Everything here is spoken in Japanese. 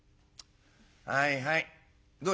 「はいはいどうした？」。